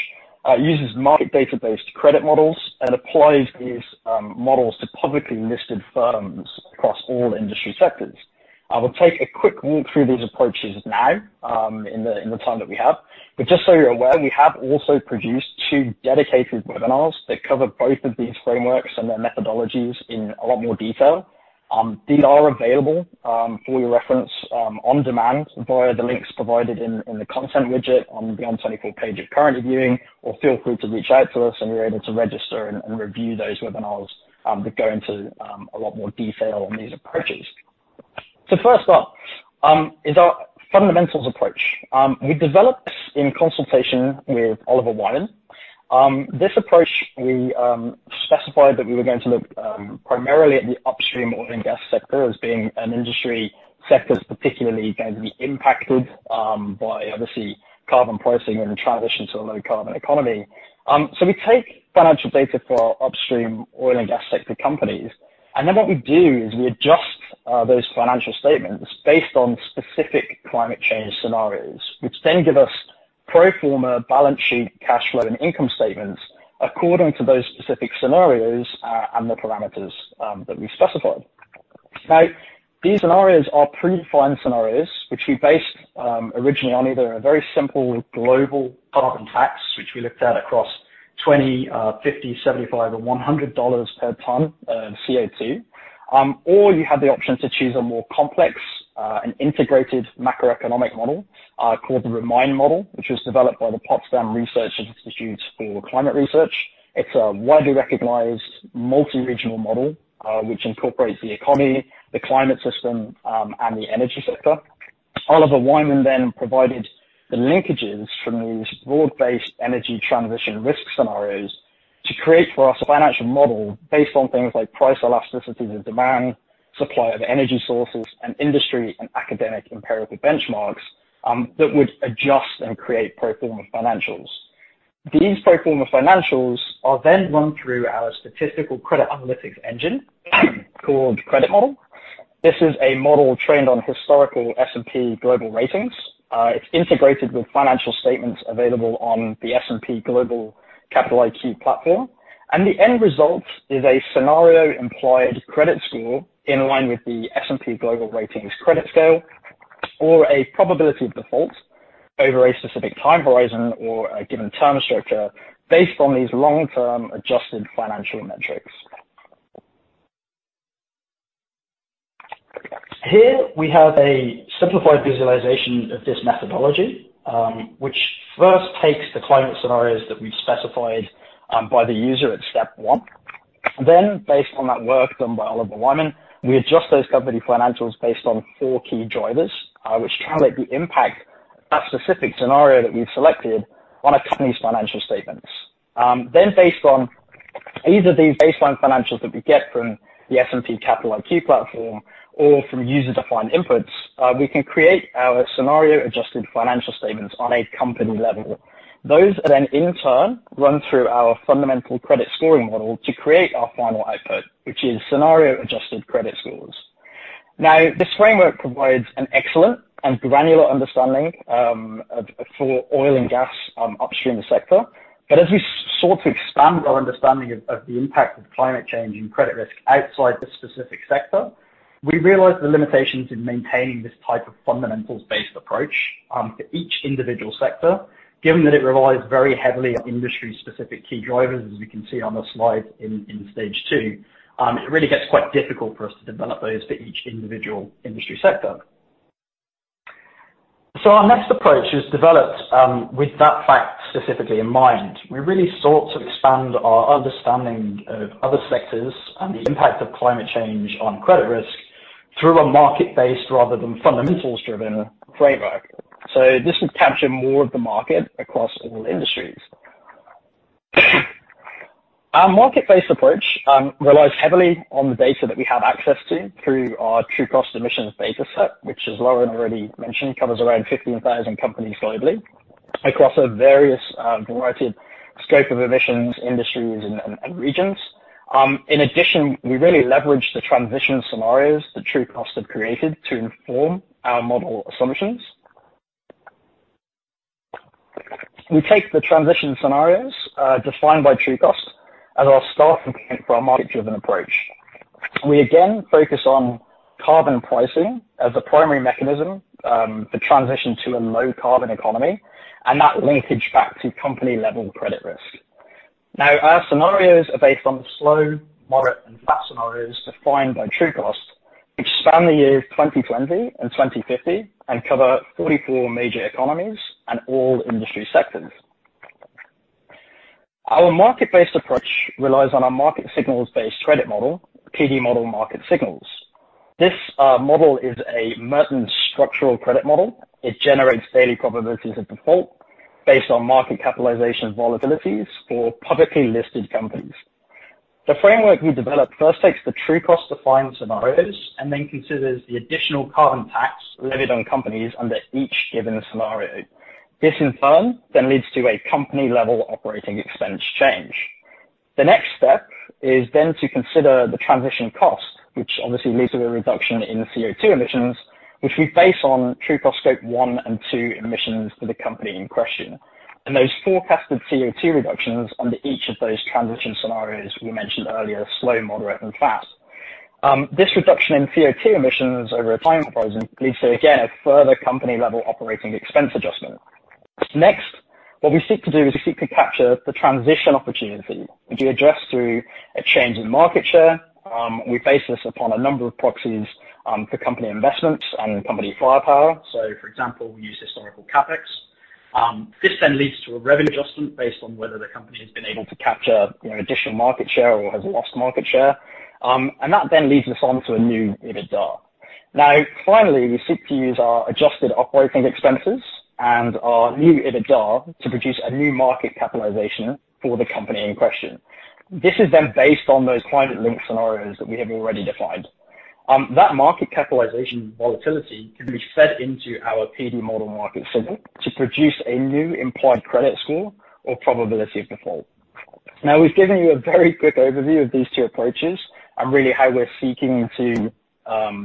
It uses market database credit models and applies these models to publicly listed firms across all industry sectors. I will take a quick walk through these approaches now in the time that we have. Just so you're aware, we have also produced two dedicated webinars that cover both of these frameworks and their methodologies in a lot more detail. These are available for your reference on demand via the links provided in the content widget on the Beyond '24 page you're currently viewing, or feel free to reach out to us, and we're able to register and review those webinars that go into a lot more detail on these approaches. First up is our fundamentals approach. We developed this in consultation with Oliver Wyman. This approach, we specified that we were going to look primarily at the upstream oil and gas sector as being an industry sector that's particularly going to be impacted by, obviously, carbon pricing and the transition to a low-carbon economy. We take financial data for upstream oil and gas sector companies, and then what we do is we adjust those financial statements based on specific climate change scenarios, which then give us pro forma balance sheet, cash flow, and income statements according to those specific scenarios and the parameters that we specified. These scenarios are pretty fine scenarios, which we based originally on either a very simple global carbon tax, which we looked at across $20, $50, $75, or $100 per ton of CO2. You had the option to choose a more complex, an integrated macroeconomic model called the REMIND model, which was developed by the Potsdam Institute for Climate Impact Research. It's a widely recognized multi-regional model, which incorporates the economy, the climate system, and the energy sector. Oliver Wyman provided the linkages from these broad-based energy transition risk scenarios to create for us a financial model based on things like price elasticity and demand, supply of energy sources, and industry and academic empirical benchmarks that would adjust and create pro forma financials. These pro forma financials are run through our statistical credit analytics engine called CreditModel. This is a model trained on historical S&P Global Ratings. It's integrated with financial statements available on the S&P Global Capital IQ platform, the end result is a scenario-employed credit score in line with the S&P Global Ratings credit scale or a probability of default over a specific time horizon or a given term structure based on these long-term adjusted financial metrics. Here we have a simplified visualization of this methodology, which first takes the climate scenarios that we've specified by the user at step one. Based on that work done by Oliver Wyman, we adjust those company financials based on four key drivers, which translate the impact of that specific scenario that we've selected on a company's financial statements. Based on either these baseline financials that we get from the S&P Capital IQ platform or from user-defined inputs, we can create our scenario-adjusted financial statements on a company level. Those are then in turn run through our fundamental credit scoring model to create our final output, which is scenario-adjusted credit scores. This framework provides an excellent and granular understanding for oil and gas upstream sector. As we sought to expand our understanding of the impact of climate change and credit risk outside the specific sector, we realized the limitations in maintaining this type of fundamentals-based approach for each individual sector, given that it relies very heavily on industry-specific key drivers, as we can see on the slide in stage two. It really gets quite difficult for us to develop those for each individual industry sector. Our next approach is developed with that fact specifically in mind. We really sought to expand our understanding of other sectors and the impact of climate change on credit risk through a market-based rather than fundamentals-driven framework. This would capture more of the market across all industries. Our market-based approach relies heavily on the data that we have access to through our Trucost emissions data set, which, as Lauren already mentioned, covers around 15,000 companies globally across a various variety of scope of emissions, industries, and regions. In addition, we really leverage the transition scenarios that Trucost have created to inform our model assumptions. We take the transition scenarios defined by Trucost as our starting point for our market-driven approach. We again focus on carbon pricing as a primary mechanism for transition to a low-carbon economy and that linkage back to company-level credit risk. Now, our scenarios are based on the slow, moderate, and fast scenarios defined by Trucost, which span the years 2020 and 2050 and cover 44 major economies and all industry sectors. Our market-based approach relies on our market signals-based credit model, PD Model Market Signals. This model is a Merton structural credit model. It generates daily probabilities of default based on market capitalization volatilities for publicly listed companies. The framework we developed first takes the Trucost-defined scenarios and then considers the additional carbon tax levied on companies under each given scenario. This in turn then leads to a company-level operating expense change. The next step is then to consider the transition cost, which obviously leads to a reduction in CO2 emissions, which we base on Trucost scope one and two emissions for the company in question. Those forecasted CO2 reductions under each of those transition scenarios we mentioned earlier, slow, moderate, and fast. This reduction in CO2 emissions over a time horizon leads to, again, a further company-level operating expense adjustment. Next, what we seek to do is we seek to capture the transition opportunity to be addressed through a change in market share. For example, we use historical CapEx. This then leads to a revenue adjustment based on whether the company has been able to capture additional market share or has lost market share. That then leads us on to a new EBITDA. Finally, we seek to use our adjusted operating expenses and our new EBITDA to produce a new market capitalization for the company in question. This is then based on those climate link scenarios that we have already defined. That market capitalization volatility can be fed into our PD Model Market Signals to produce a new implied credit score or probability of default. Now we've given you a very quick overview of these two approaches and really how we're seeking to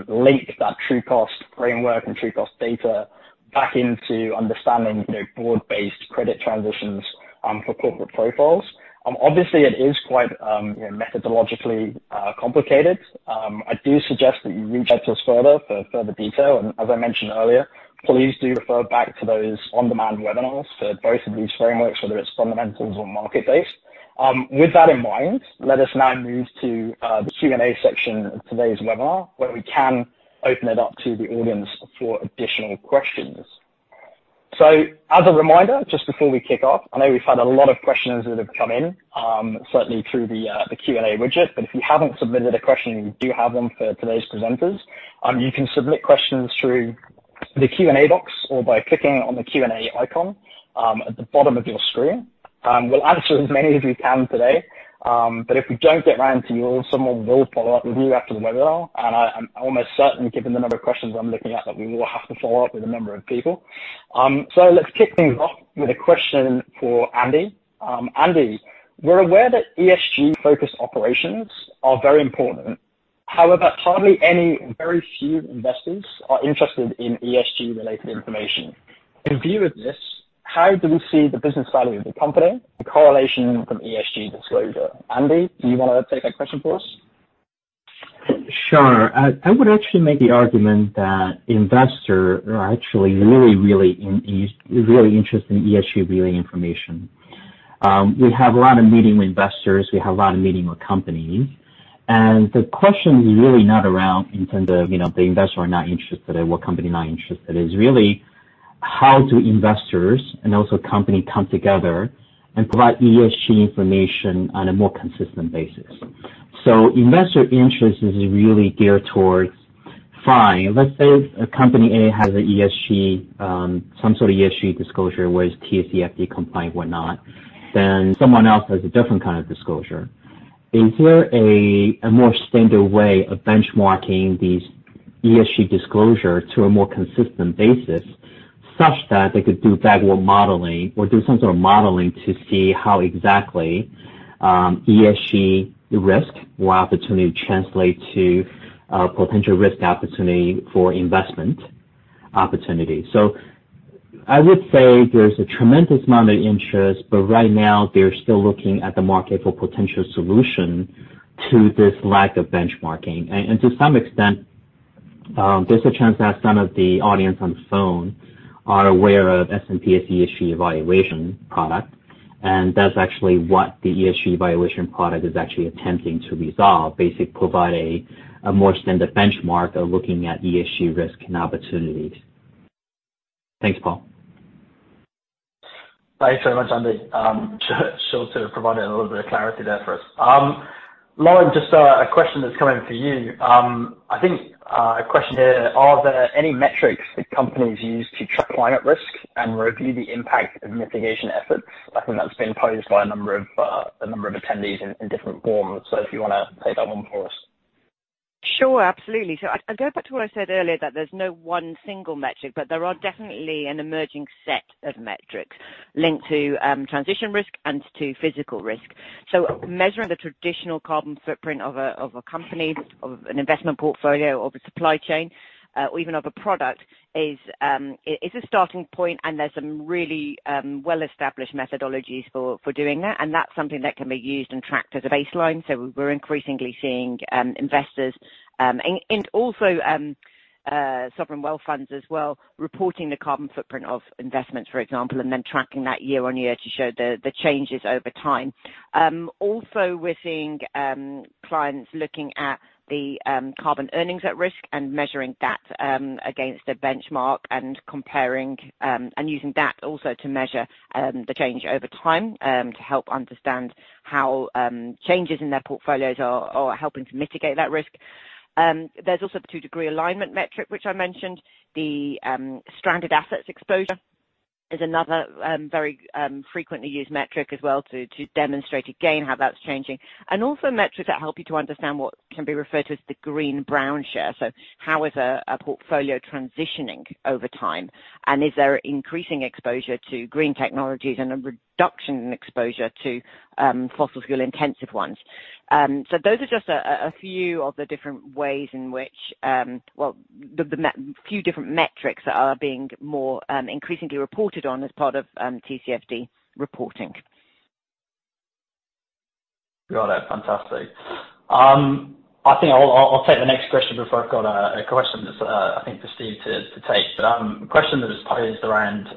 link that Trucost framework and Trucost data back into understanding broad-based credit transitions for corporate profiles. Obviously, it is quite methodologically complicated. I do suggest that you reach out to us further for further detail. As I mentioned earlier, please do refer back to those on-demand webinars for both of these frameworks, whether it's fundamentals or market-based. With that in mind, let us now move to the Q&A section of today's webinar, where we can open it up to the audience for additional questions. As a reminder, just before we kick off, I know we've had a lot of questions that have come in, certainly through the Q&A widget, but if you haven't submitted a question and you do have one for today's presenters, you can submit questions through the Q&A box or by clicking on the Q&A icon at the bottom of your screen. We'll answer as many as we can today, but if we don't get around to you all, someone will follow up with you after the webinar. I'm almost certain, given the number of questions I'm looking at, that we will have to follow up with a number of people. Let's kick things off with a question for Andy. Andy, we're aware that ESG focused operations are very important. However, hardly any, very few investors are interested in ESG related information. In view of this, how do we see the business value of the company, the correlation from ESG disclosure? Andy, do you want to take that question for us? Sure. I would actually make the argument that investors are actually really interested in ESG related information. We have a lot of meeting with investors. We have a lot of meeting with companies. The question is really not around in terms of the investors are not interested or what company not interested. It's really how do investors and also company come together and provide ESG information on a more consistent basis. Investor interest is really geared towards fine. Let's say if company A has some sort of ESG disclosure, whether TCFD compliant whatnot, then someone else has a different kind of disclosure. Is there a more standard way of benchmarking these ESG disclosure to a more consistent basis such that they could do back modeling or do some sort of modeling to see how exactly ESG risk or opportunity translate to potential risk or opportunity for investment opportunity. I would say there's a tremendous amount of interest, but right now they're still looking at the market for potential solution to this lack of benchmarking. To some extent, there's a chance that some of the audience on the phone are aware of S&P ESG evaluation product, and that's actually what the ESG evaluation product is actually attempting to resolve, basically provide a more standard benchmark of looking at ESG risk and opportunities. Thanks, Paul. Thanks very much, Andy. Sure to provide a little bit of clarity there for us. Lauren, just a question that's come in for you. I think a question here, are there any metrics that companies use to track climate risk and review the impact of mitigation efforts? I think that's been posed by a number of attendees in different forms. If you want to take that one for us. Sure, absolutely. I go back to what I said earlier, that there's no one single metric, but there are definitely an emerging set of metrics linked to transition risk and to physical risk. Measuring the traditional carbon footprint of a company, of an investment portfolio, of a supply chain, or even of a product is a starting point and there's some really well established methodologies for doing that, and that's something that can be used and tracked as a baseline. We're increasingly seeing investors and also sovereign wealth funds as well, reporting the carbon footprint of investments, for example, and then tracking that year on year to show the changes over time. We're seeing clients looking at the carbon earnings at risk and measuring that against a benchmark and comparing and using that also to measure the change over time to help understand how changes in their portfolios are helping to mitigate that risk. There's also the two degree alignment metric, which I mentioned. The stranded assets exposure is another very frequently used metric as well to demonstrate again how that's changing. Also metrics that help you to understand what can be referred to as the green brown share. How is a portfolio transitioning over time and is there increasing exposure to green technologies and a reduction in exposure to fossil fuel intensive ones? Those are just a few of the different ways in which, well, the few different metrics that are being more increasingly reported on as part of TCFD reporting. Got it. Fantastic. I think I'll take the next question before I've got a question that's, I think, for Steve to take. A question that was posed around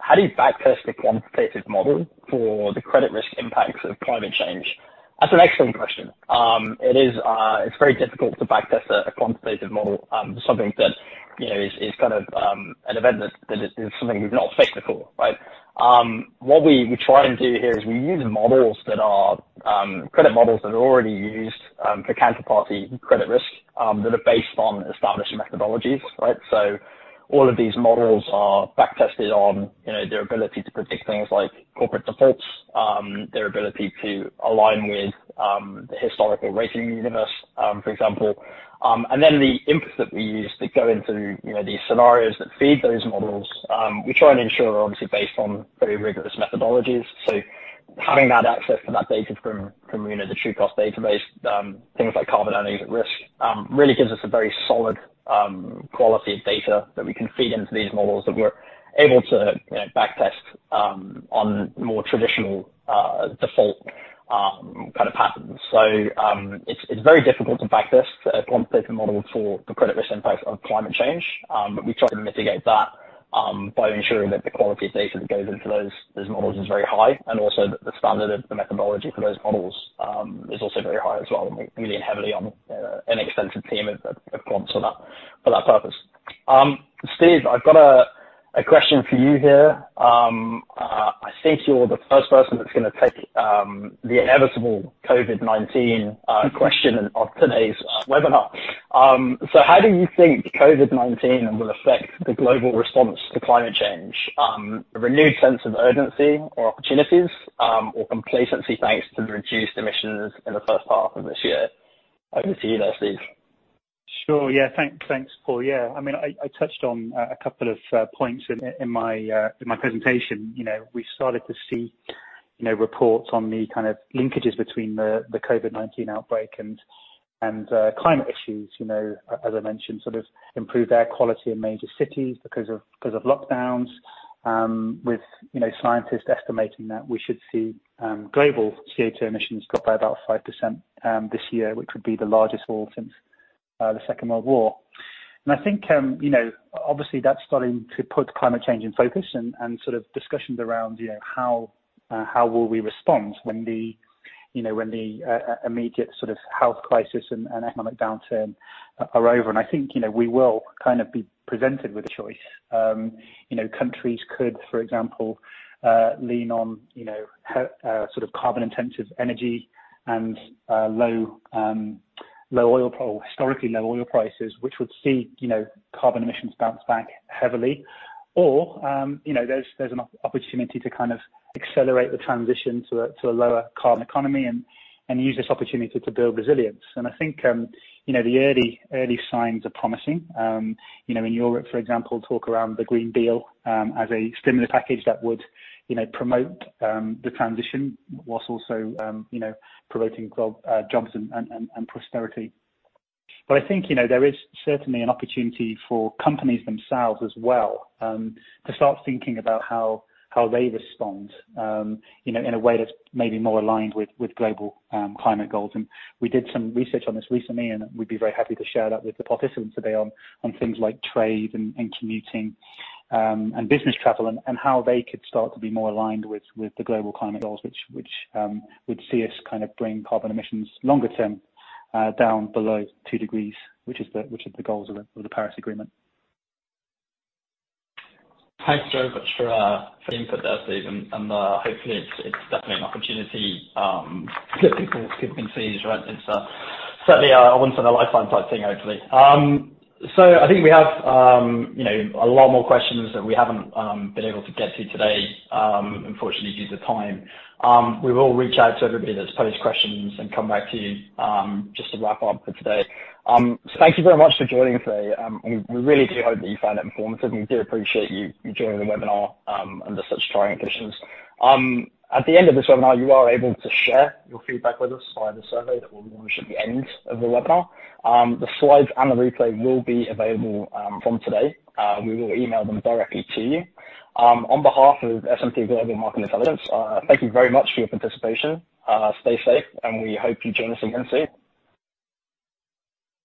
how do you backtest a quantitative model for the credit risk impacts of climate change? That's an excellent question. It's very difficult to backtest a quantitative model, something that is an event that is something we've not faced before, right? What we try and do here is we use credit models that are already used for counterparty credit risk that are based on established methodologies, right? All of these models are backtested on their ability to predict things like corporate defaults, their ability to align with the historical rating universe, for example. The inputs that we use that go into these scenarios that feed those models, we try and ensure are obviously based on very rigorous methodologies. Having that access to that data from the Trucost database, things like carbon earnings at risk, really gives us a very solid quality of data that we can feed into these models that we're able to backtest on more traditional default kind of patterns. It's very difficult to backtest a quantitative model for the credit risk impact of climate change. We try to mitigate that by ensuring that the quality of data that goes into those models is very high, and also that the standard of the methodology for those models is also very high as well. We lean heavily on an extensive team of quants for that purpose. Steve, I've got a question for you here. I think you're the first person that's going to take the inevitable COVID-19 question of today's webinar. How do you think COVID-19 will affect the global response to climate change? A renewed sense of urgency or opportunities, or complacency, thanks to the reduced emissions in the first half of this year? Over to you now, Steve. Sure. Yeah. Thanks, Paul. I touched on a couple of points in my presentation. We started to see reports on the kind of linkages between the COVID-19 outbreak and climate issues. As I mentioned, sort of improved air quality in major cities because of lockdowns, with scientists estimating that we should see global CO2 emissions drop by about 5% this year, which would be the largest fall since the Second World War. I think obviously that's starting to put climate change in focus and sort of discussions around how will we respond when the immediate sort of health crisis and economic downturn are over. I think we will kind of be presented with a choice. Countries could, for example, lean on sort of carbon intensive energy and historically low oil prices, which would see carbon emissions bounce back heavily. There's an opportunity to kind of accelerate the transition to a lower carbon economy and use this opportunity to build resilience. I think the early signs are promising. In Europe, for example, talk around the Green Deal as a stimulus package that would promote the transition while also promoting jobs and prosperity. I think there is certainly an opportunity for companies themselves as well to start thinking about how they respond in a way that's maybe more aligned with global climate goals. We did some research on this recently, and we'd be very happy to share that with the participants today on things like trade and commuting and business travel and how they could start to be more aligned with the global climate goals, which would see us kind of bring carbon emissions longer term down below two degrees, which is the goals of the Paris Agreement. Thanks so much for the input there, Steven. Hopefully it's definitely an opportunity for people, companies, right? It's certainly a once in a lifetime type thing, hopefully. I think we have a lot more questions that we haven't been able to get to today, unfortunately, due to time. We will reach out to everybody that's posed questions and come back to you just to wrap up for today. Thank you very much for joining us today. We really do hope that you found it informative, and we do appreciate you joining the webinar under such trying conditions. At the end of this webinar, you are able to share your feedback with us via the survey that will launch at the end of the webinar. The slides and the replay will be available from today. We will email them directly to you. On behalf of S&P Global Market Intelligence, thank you very much for your participation. Stay safe and we hope you join us again soon.